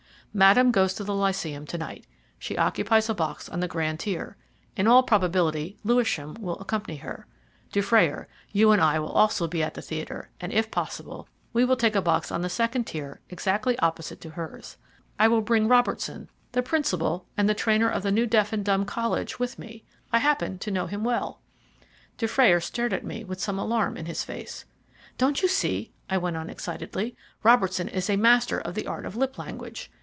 Madame goes to the Lyceum to night. She occupies a box on the grand tier. In all probability Lewisham will accompany her. Dufrayer, you and I will also be at the theatre, and, if possible, we will take a box on the second tier exactly opposite to hers. I will bring Robertson, the principal and the trainer of the new deaf and dumb college, with me. I happen to know him well." Dufrayer stared at me with some alarm in his face. "Don't you see?" I went on excitedly. "Robertson is a master of the art of lip language.